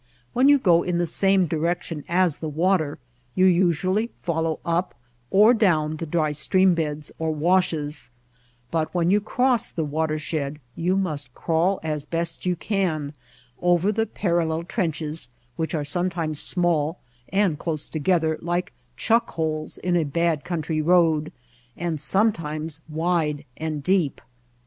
When you go in the same White Heart of Mojave direction as the water you usually follow up or down the dry stream beds, or washes, but when you cross the watershed you must crawl as best you can over the parallel trenches which are sometimes small and close together like chuck holes in a bad country road, and sometimes wide and deep.